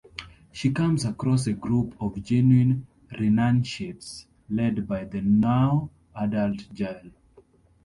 She comes across a group of genuine Renunciates led by the now-adult Jaelle.